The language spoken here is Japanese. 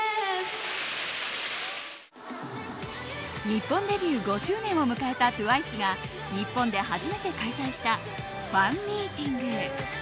日本デビュー５周年を迎えたＴＷＩＣＥが日本で始めて開催したファンミーティング。